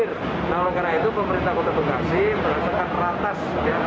kalau karena itu pemerintah kota bekasi merasakan peratas